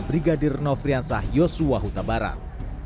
brigadir nofriansah yosua huta barat